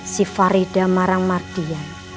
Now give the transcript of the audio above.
sifarida marang mardian